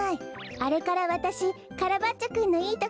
あれからわたしカラバッチョくんのいいところみつけたの。